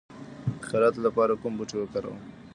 د خیالاتو لپاره کوم بوټي وکاروم؟